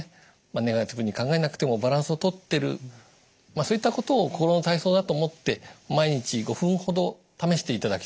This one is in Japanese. まあネガティブに考えなくてもバランスをとってるそういったことを心の体操だと思って毎日５分ほど試していただきたい。